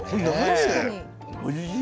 おいしい。